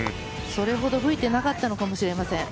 それほど吹いていなかったのかもしれません。